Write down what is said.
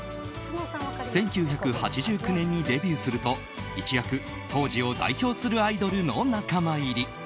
１９８９年にデビューすると一躍、当時を代表するアイドルの仲間入り。